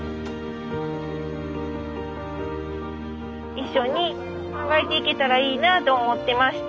一緒に考えていけたらいいなと思ってまして。